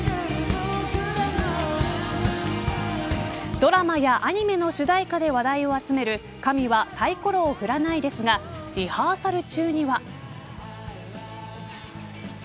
ドラマやアニメの主題歌で話題を集める神はサイコロを振らないですがリハーサル中には。